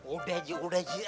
udah ji udah ji